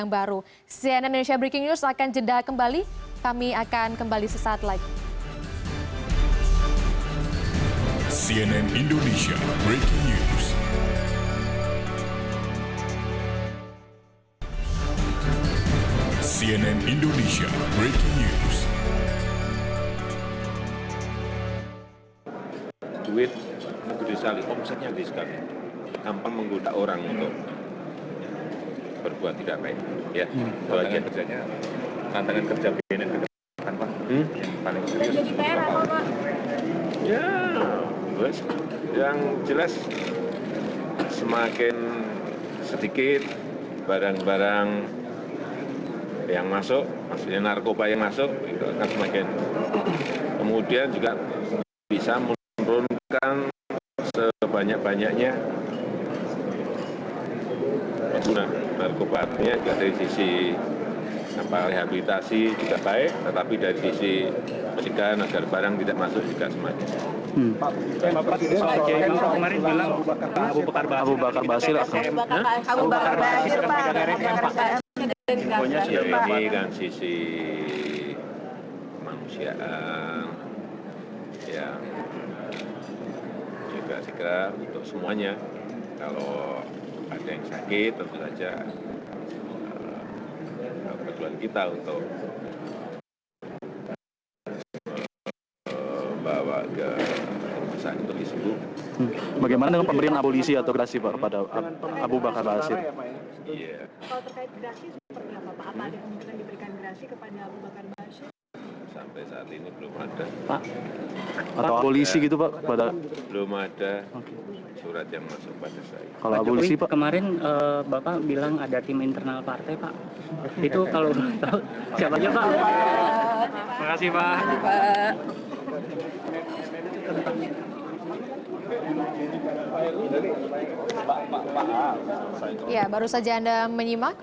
baru saja anda menyimak